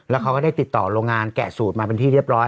แล้วเขาก็ได้ติดต่อโรงงานแกะสูตรมาเป็นที่เรียบร้อย